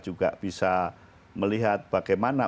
juga bisa melihat bagaimana